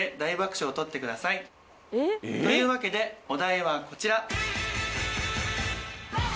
ぜひ。というわけでお題はこちら。